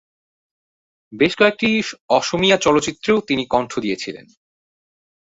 বেশ কয়েকটি অসমীয়া চলচ্চিত্রেও তিনি কণ্ঠ দিয়েছিলেন।